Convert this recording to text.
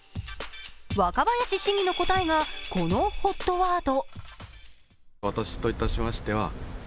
若林市議の答えがこのＨＯＴワード。